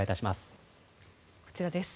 こちらです。